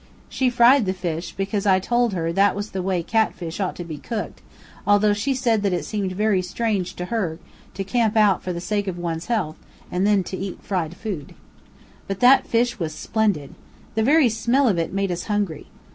She fried the fish, because I told her that was the way cat fish ought to be cooked, although she said that it seemed very strange to her to camp out for the sake of one's health, and then to eat fried food. But that fish was splendid! The very smell of it made us hungry.